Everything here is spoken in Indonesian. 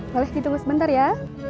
boleh ditunggu sebentar ya